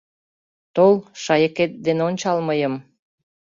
Тол, шайыкет ден ончал мыйым